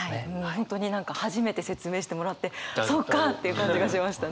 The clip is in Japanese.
本当に何か初めて説明してもらって「そっか」っていう感じがしましたね。